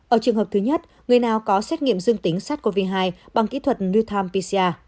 ở trường hợp thứ nhất người nào có xét nghiệm dương tính sát covid một mươi chín bằng kỹ thuật newtime pcr